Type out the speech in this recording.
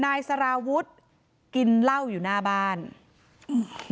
นายสาราวุธคนก่อเหตุอยู่ที่บ้านกับนางสาวสุกัญญาก็คือภรรยาเขาอะนะคะ